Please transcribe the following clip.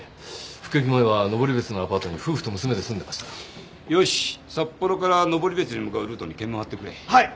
服役前は登別のアパートに夫婦と娘で住んでましたよし札幌から登別に向かうルートに検問張ってくれはい！